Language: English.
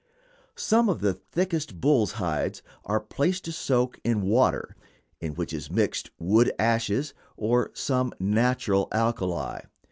Some of the thickest bulls' hides are placed to soak in water in which is mixed wood ashes, or some natural alkali.